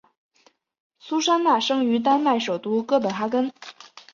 苏珊娜生于丹麦首都哥本哈根。